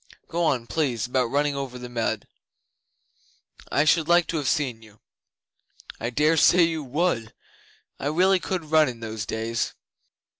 Go on, please, about running over the mud. I should like to have seen you.' 'I dare say you would, and I really could run in those days.